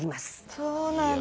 そうなんだ。